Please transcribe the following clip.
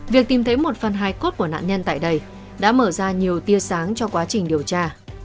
việc tìm thấy một phần hai cốt của nạn nhân tại đây đã mở ra nhiều tia sáng cho quá trình điều tra